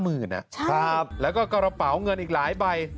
หมื่นนะครับแล้วก็กระเป๋าเงินอีกหลายใบ